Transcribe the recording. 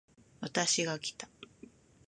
私がきた